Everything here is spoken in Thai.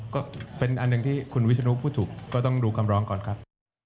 ก็เป็นอันหนึ่งที่คุณวิศนุพูดถูกก็ต้องดูคำร้องก่อนครับ